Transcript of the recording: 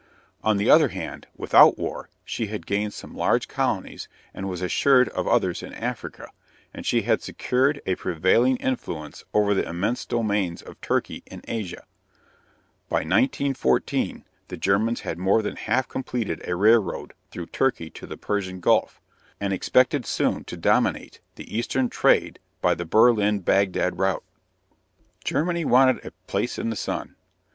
On the other hand, without war, she had gained some large colonies and was assured of others in Africa, and she had secured a prevailing influence over the immense domains of Turkey in Asia. By 1914 the Germans had more than half completed a railroad through Turkey to the Persian Gulf, and expected soon to dominate the eastern trade by the Berlin Bagdad route. [Illustration: THE BERLIN BAGDAD RAILWAY] GERMANY WANTED "A PLACE IN THE SUN."